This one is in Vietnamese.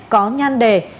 có nhan đề